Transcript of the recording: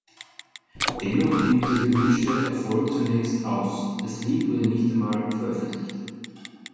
Dennoch blieb der gewünschte Erfolg zunächst aus; das Lied wurde nicht einmal veröffentlicht.